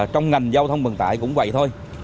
trong ngành giao thông vận tải cũng vậy thôi